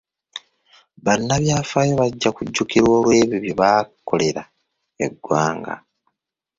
Bannabyafaayo bajja kujjukirwa olw'ebyo bye baakolera eggwanga.